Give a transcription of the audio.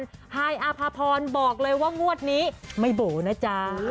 พี่ฮายอพพลาพรบอกเลยว่างวดนี้ไม่โบ๋นนะจ้า